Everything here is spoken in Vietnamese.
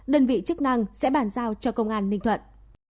đơn vị chức năng sẽ bàn giao cho công an ninh thuận